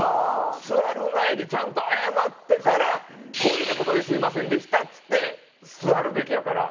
座る前にちゃんと謝ってからこういうような事ですみませんでしたっつって座るべきやから。